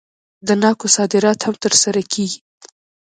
د ناکو صادرات هم ترسره کیږي.